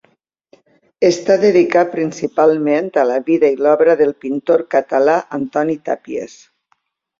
Està dedicat principalment a la vida i l'obra del pintor català Antoni Tàpies.